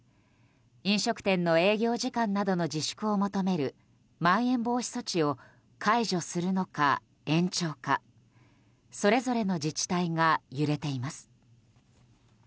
飲食店の営業時間などの自粛を求めるまん延防止措置を解除するのか延長かそれぞれの自治体が揺れています。